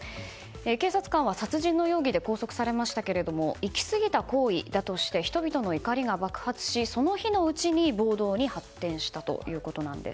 警察官は殺人の容疑で拘束されましたがいきすぎた行為だとして人々の怒りが爆発しその日のうちに暴動に発展したということです。